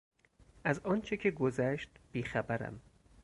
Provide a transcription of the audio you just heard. از آنچه که گذشت بیخبرم.